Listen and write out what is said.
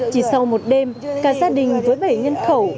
chỉ sau một đêm cả gia đình với bảy nhân khẩu